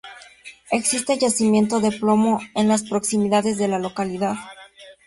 Existen yacimiento de plomo en las proximidades de la localidad.